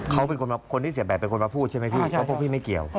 เขาเป็นคนที่เสียแบบเป็นคนมาพูดใช่ไหมพี่เพราะพวกพี่ไม่เกี่ยว